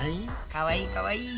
かわいいかわいい。